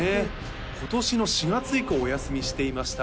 今年の４月以降お休みしていました